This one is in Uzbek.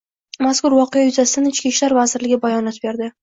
Mazkur voqea yuzasidan Ichki ishlar vazirligi bayonot berdi